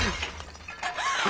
あ！